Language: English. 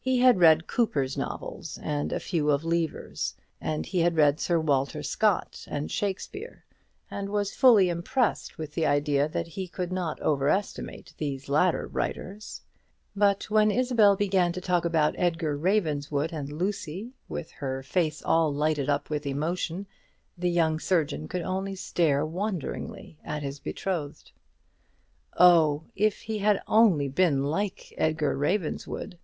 He had read Cooper's novels, and a few of Lever's; and he had read Sir Walter Scott and Shakespeare, and was fully impressed with the idea that he could not over estimate these latter writers; but when Isabel began to talk about Edgar Ravenswood and Lucy, with her face all lighted up with emotion, the young surgeon could only stare wonderingly at his betrothed. Oh, if he had only been like Edgar Ravenswood!